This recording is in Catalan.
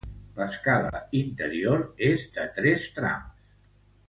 L'escala interior és de tres trams.